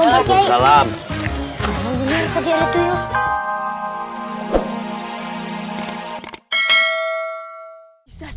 salam salam salam salam